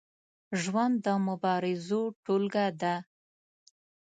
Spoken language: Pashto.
ژوند د مبارزو ټولګه ده.